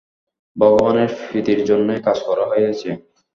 ভগবানের প্রীতির জন্যই কাজ করা হয়েছে।